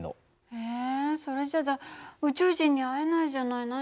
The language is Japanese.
えそれじゃあ宇宙人に会えないじゃない。